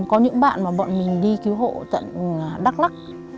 có những bạn mà bọn mình đi cứu hộ tận đắk lắc